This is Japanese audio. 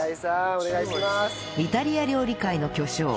お願いします。